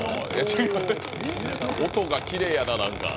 音がきれいやな、何か。